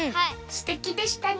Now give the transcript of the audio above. すてきでしたね。